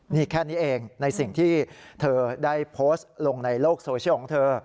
นี่แค่นี้เองในสิ่งที่เธอได้โพสต์ลงในโลกโซเชียลของเธอ